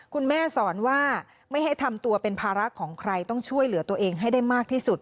คุณแม่สอนว่าไม่ให้ทำตัวเป็นภาระของใครต้องช่วยเหลือตัวเองให้ได้มากที่สุด